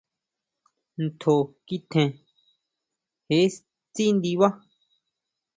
Tjon kikjen, jee tsí ndibá.